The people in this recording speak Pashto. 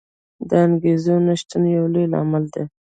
د انګېزو نه شتون یو لوی لامل دی.